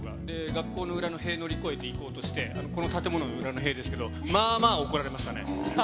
学校の裏の塀乗り越えて行こうとして、この建物の裏の塀ですけど、まあまあ怒られましたね。